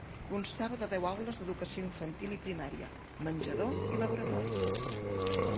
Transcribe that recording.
Constava de deu aules d'educació infantil i primària, menjador i laboratori.